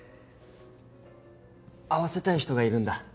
会わせたい人がいるんだ。